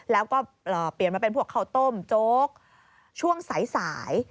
แล้วก็เปลี่ยนมาเป็นพวกข้าวต้มโจ๊กช่วงสาย